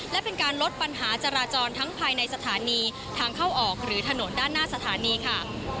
และเป็นการลดปัญหาจราจรทั้งภายในสถานีทางเข้าออกหรือถนนด้านหน้าสถานีค่ะ